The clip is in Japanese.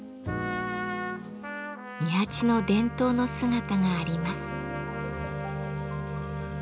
二八の伝統の姿があります。